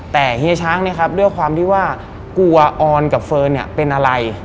แต่เฮียช้างเนี่ยครับด้วยความที่ว่ากลัวออนกับเฟิร์นเนี่ยเป็นอะไร